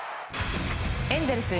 エンゼルス